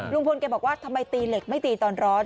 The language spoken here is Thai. ลุงพลแกบอกว่าทำไมตีเหล็กไม่ตีตอนร้อน